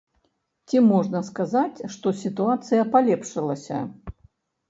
Ці можна сказаць, што сітуацыя палепшылася?